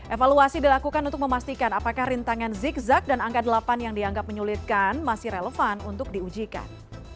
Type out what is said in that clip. evaluasi dilakukan untuk memastikan apakah rintangan zigzag dan angka delapan yang dianggap menyulitkan masih relevan untuk diujikan